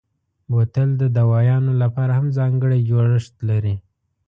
بوتل د دوایانو لپاره هم ځانګړی جوړښت لري.